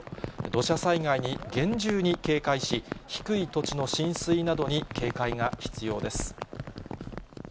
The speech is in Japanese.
土砂災害に厳重に警戒し、低い土地の浸水などに警戒が必要です。